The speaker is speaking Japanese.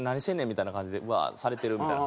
みたいな感じでうわーってされてるみたいな。